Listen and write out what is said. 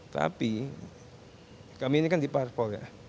tapi kami ini kan di parpol ya